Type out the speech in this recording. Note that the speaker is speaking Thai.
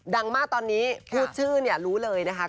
ดังมากตอนนี้พูดชื่อเนี่ยรู้เลยนะคะ